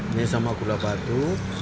ini sama gula batu